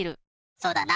そうだな。